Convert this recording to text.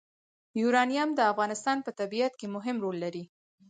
یورانیم د افغانستان په طبیعت کې مهم رول لري.